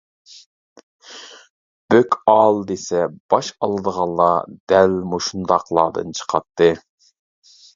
بۆك ئال دېسە، باش ئالىدىغانلار دەل مۇشۇنداقلاردىن چىقاتتى.